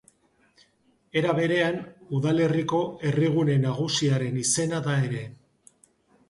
Era berean, udalerriko herrigune nagusiaren izena da ere.